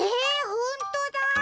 ほんとだ。